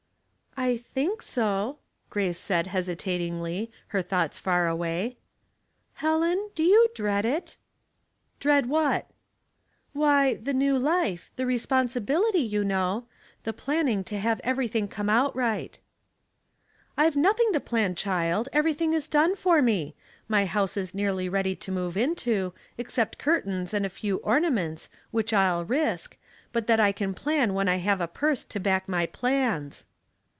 "I think so,'* Grace said hesitatingly, her Uioughts far away. " Helen, do you dread it ?*''* Dread what?" Sentiment and Dust, 17t» "Why, the new life, the responsibility, you know; the planning to have everything come out right." "I've nothing to plan, child, everything is done for me. My house is nearly ready to move into, except curtains and a few ornaments, which I'll risk, but that I can plan when I have a purse to back my plans."